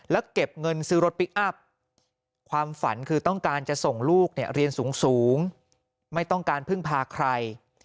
แล้วเก็บเงินซื้อรถพลิกอัพความฝันคือต้องการจะส่งลูกเรียนสูงไม่ต้องการพึ่งพาใคร